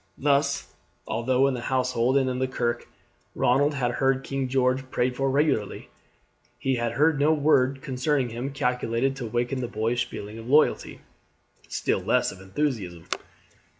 Thus, although in the household and in kirk Ronald had heard King George prayed for regularly, he had heard no word concerning him calculated to waken a boyish feeling of loyalty, still less of enthusiasm.